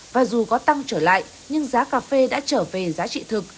và dù có tăng trở lại nhưng giá cà phê đã trở về giá trị thực